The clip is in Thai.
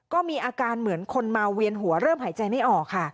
ก็มีอาการเหมือนคนเมาเวียนหัวเริ่มหายใจไม่ออกค่ะ